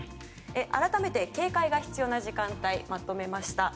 改めて、警戒が必要な時間帯をまとめました。